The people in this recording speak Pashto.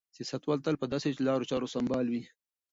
سیاستوال تل په داسې لارو چارو سمبال وي.